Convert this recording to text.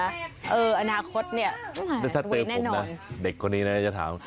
เนี่ยอนาคตเนี่ยเว็ดแน่นอนถ้าเตรียมผมนะเด็กคนนี้มันก็จะถาม